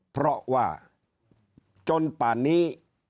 เพราะว่าจนป่านนี้